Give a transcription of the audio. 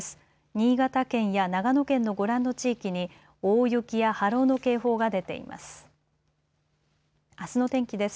新潟県や長野県のご覧の地域に大雪や波浪の警報が出ています。